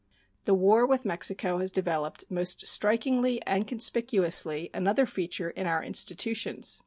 The war with Mexico has developed most strikingly and conspicuously another feature in our institutions.